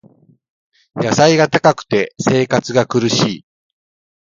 野菜が高くて生活が苦しい